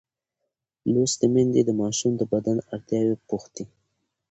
لوستې میندې د ماشوم د بدن اړتیاوې پوښتي.